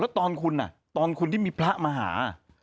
แล้วตอนคุณตอนคุณที่มีพระมาหา